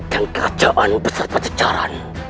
dan kerajaan besar pecaharan